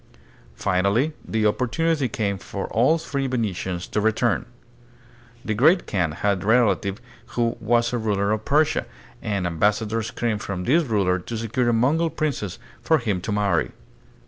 Finally the opportunity came for the three Venetians to return. The Great Kaan had a relative who was a ruler of Persia, and ambassadors came from this ruler to secure a Mongol princess for him to marry.